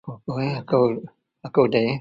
Akou yih akou Akou udei yih